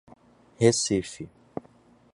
Recife